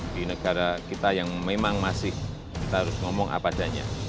di negara kita yang memang masih kita harus ngomong apa adanya